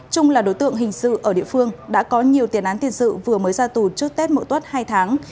trung là đối tượng hình sự ở địa phương đã có nhiều tiền án tiền sự vừa mới ra tù trước tết mỡ hai tháng